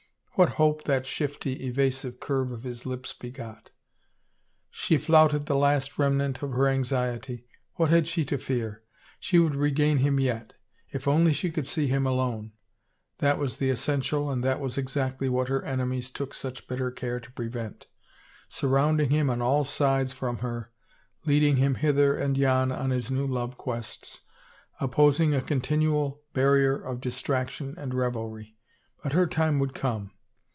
What hope that shifty, evasive curve of his lips begot 1 She flouted the last remnant of her anxiety. What had she to fear? She would regain him yet. If only she could see him alone ... that was the essential and that was exactly what her enemies took such bitter care to prevent, surrounding him on all sides from her, leading him hither and yon on his new love quests, opposing a continual barrier of distraction and revelry. But her time would come